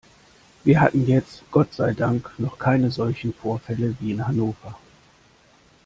Wir hatten jetzt Gott sei Dank noch keine solchen Vorfälle wie in Hannover.